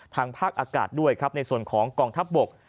ทางภาคอากาศด้วยครับในส่วนของกองทัพบก